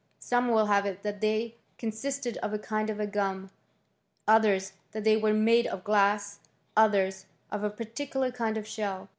Some will have it that they consisted of a kind of gum ; 88 HISTORY OF CUEUISTBrT* Others that they were made of glass ; others, of a par *' ticular kind of shell.